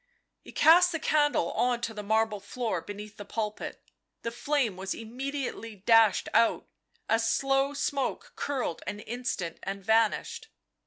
He cast the candle on to the marble floor beneath the pulpit, the flame was immediately dashed out, a slow smoke curled an instant and vanished.